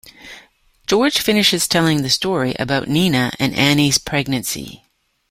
George finishes telling the story about Nina and Annie's pregnancy.